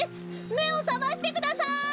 めをさましてください！